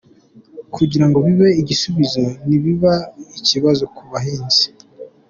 kugirango bibe igisubizo ntibiba ikibazo ku bahinzi.